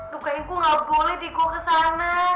dukain gue nggak boleh dikul ke sana